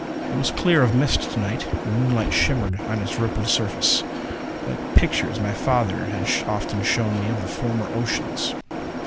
It was clear of mist to night. The moonlight shimmered on its rippled surface, like pictures my father had often shown me of the former oceans.